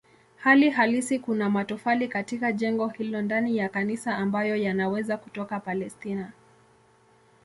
Hali halisi kuna matofali katika jengo hilo ndani ya kanisa ambayo yanaweza kutoka Palestina.